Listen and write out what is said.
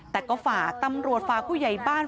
แต่ก็ฝากตำรวจฝากผู้ใหญ่บ้าน